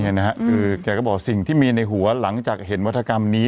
คือแกก็บอกสิ่งที่มีในหัวหลังจากเห็นวัฒกรรมนี้